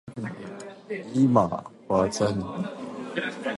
今、技に…。